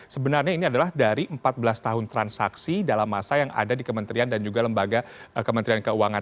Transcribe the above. sebenarnya ini adalah dari empat belas tahun transaksi dalam masa yang ada di kementerian dan juga lembaga kementerian keuangan